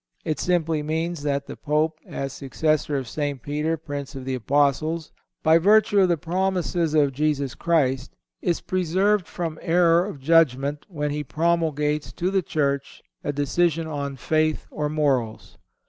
It simply means that the Pope, as successor of St. Peter, Prince of the Apostles, by virtue of the promises of Jesus Christ, is preserved from error of judgment when he promulgates to the Church a decision on faith or morals.